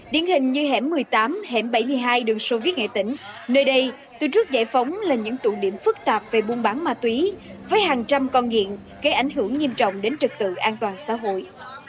điển hình như hẻm một mươi tám hẻm bảy mươi hai đường sô viết nghệ tỉnh nơi đây từ trước giải phóng là những tụ điểm phức tạp về buôn bán ma túy với hàng trăm con nghiện gây ảnh hưởng nghiêm trọng đến trực tự an toàn xã hội